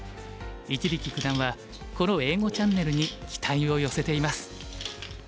一力九段はこの英語チャンネルに期待を寄せています。